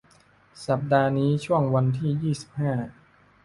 สัปดาห์นี้ช่วงวันที่ ยี่สิบห้า